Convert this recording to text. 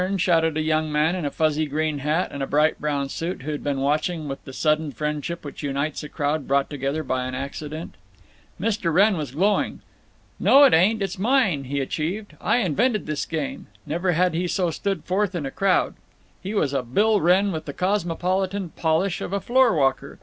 shouted a young man in a fuzzy green hat and a bright brown suit, who had been watching with the sudden friendship which unites a crowd brought together by an accident. Mr. Wrenn was glowing. "No, it ain't—it's mine," he achieved. "I invented this game." Never had he so stood forth in a crowd. He was a Bill Wrenn with the cosmopolitan polish of a floor walker.